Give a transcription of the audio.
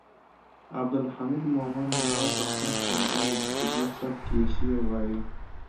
عبدالحمید مومند لومړی پښتون شاعر و چې پدې سبک یې شعر وایه